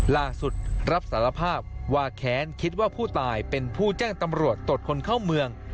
รับสารภาพว่าแค้นคิดว่าผู้ตายเป็นผู้แจ้งตำรวจตรวจคนเข้าเมือง